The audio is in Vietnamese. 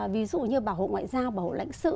ví dụ như bảo hộ ngoại giao bảo hộ lãnh sự